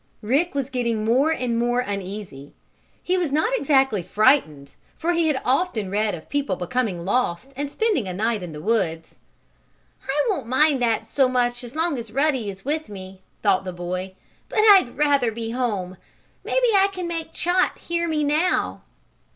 Rick was getting more and more uneasy. He was not exactly frightened, for he had often read of people becoming lost and spending a night in the woods. "I won't mind that so much as long as Ruddy is with me," thought the boy. "But I'd rather be home. Maybe I can make Chot hear me now!"